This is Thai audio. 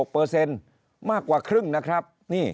๕๖เปอร์เซ็นต์มากกว่าครึ่งนะครับ